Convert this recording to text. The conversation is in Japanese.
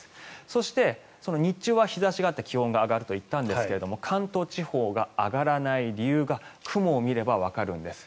そして、日中は日差しがあって気温が上がると言ったんですが関東地方が上がらない理由が雲を見ればわかるんです。